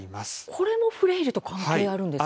これもフレイルと関係あるんですか。